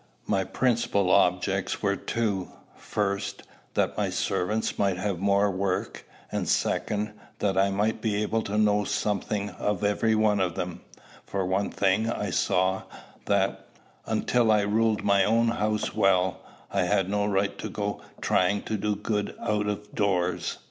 My principal objects were two: first, that my servants might have more work; and second, that I might be able to know something of every one of them; for one thing I saw, that, until I ruled my own house well, I had no right to go trying to do good out of doors.